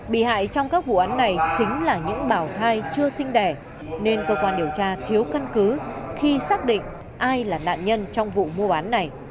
bị hại trong các vụ án này chính là những bảo thai chưa sinh đẻ nên cơ quan điều tra thiếu căn cứ khi xác định ai là nạn nhân trong vụ mua bán này